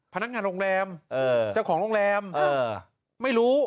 พนักงานโรงแรมเจ้าของโรงแรมไม่รู้